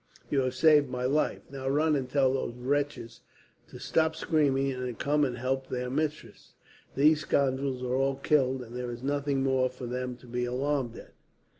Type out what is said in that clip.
"You have saved my life. Now run and tell those wenches to stop screaming, and to come and help their mistress. These scoundrels are all killed, and there is nothing more for them to be alarmed at."